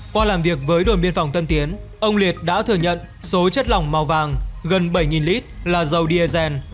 qua làm việc với đồn biên phòng tân tiến ông liệt đã thừa nhận số chất lỏng màu vàng gần bảy lít là dầu diesel